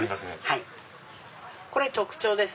はいこれ特徴です。